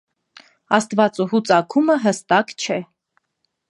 Աստվածուհու ծագումը հստակ չէ։